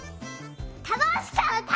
たのしかった！